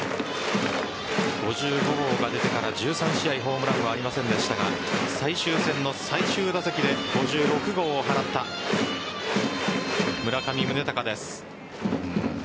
５５号が出てから１３試合ホームランはありませんでしたが最終戦の最終打席で５６号を放った村上宗隆です。